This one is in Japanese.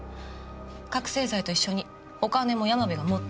覚せい剤と一緒にお金も山部が持ってったって。